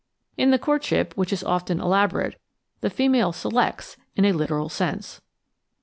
In the court ship, which is often elaborate, the female selects — in a literal Svcnsc.